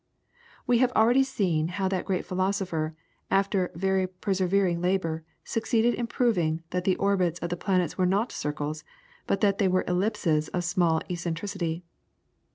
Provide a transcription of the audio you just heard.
We have already seen how that great philosopher, after very persevering labour, succeeded in proving that the orbits of the planets were not circles, but that they were ellipses of small eccentricity.